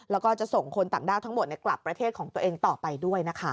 แล้วก็จะส่งคนต่างด้าทั้งหมดในกลับของประเทศต่อไปด้วยนะคะ